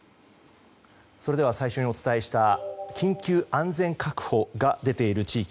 それでは最初にお伝えした緊急安全確保が出ている地域